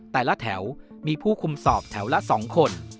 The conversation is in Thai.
แต่ละแถวมีผู้คุมสอบแถวละ๒คน